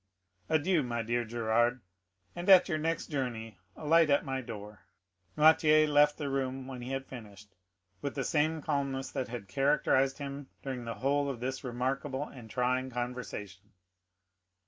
Adieu, my dear Gérard, and at your next journey alight at my door." Noirtier left the room when he had finished, with the same calmness that had characterized him during the whole of this remarkable and trying conversation.